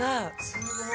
すごい。